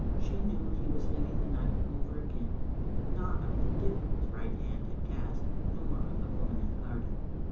She knew he was living the night over again, but not of the divit his right hand had cast, nor of the woman in the garden.